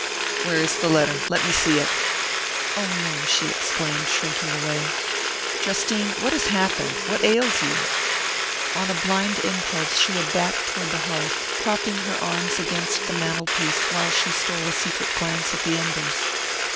"Where is the letter? Let me see it." "Oh, no" she exclaimed, shrinking away. "Justine, what has happened? What ails you?" On a blind impulse she had backed toward the hearth, propping her arms against the mantel piece while she stole a secret glance at the embers.